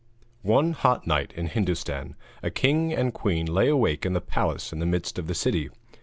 _ One hot night, in Hindustan, a king and queen lay awake in the palace in the midst of the city.